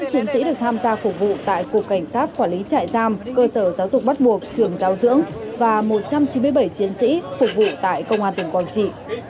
chiến sĩ được tham gia phục vụ tại cục cảnh sát quản lý trại giam cơ sở giáo dục bắt buộc trường giáo dưỡng và một trăm chín mươi bảy chiến sĩ phục vụ tại công an tỉnh quảng trị